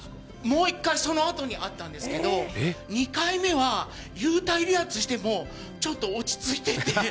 もう１回そのあとにあったんですけど２回目は幽体離脱してもちょっと落ち着いてて。